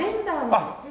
あっ！